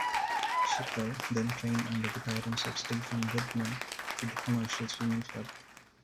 Schipper then trained under the guidance of Stephan Widmer with the Commercial Swimming Club.